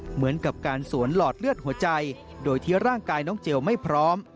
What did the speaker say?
เหมือนกับการสวนหลอดเลือดหัวใจโดยที่ร่างกายน้องเจลไม่พร้อม